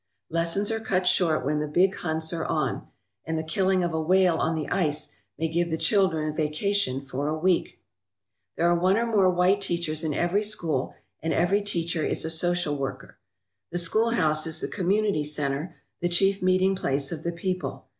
Lessons are cut short when the big hunts are on; and the killing of a whale on the ice may give the children a vacation for a week. There are one or more white teachers in every school and every teacher is a social worker. The schoolhouse is the community centre, the chief meeting place of the people.